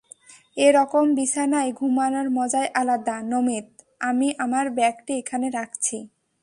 এইরকম বিছানায় ঘুমানোর মজায় আলাদা, নমিত, আমি আমার ব্যাগটি এখানে রাখছি।